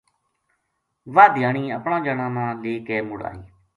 واہ دھیانی اپنا جنا لے کے مُڑ آئی